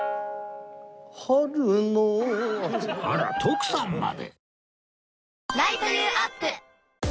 あら徳さんまで